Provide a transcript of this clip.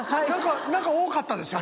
何か多かったですよ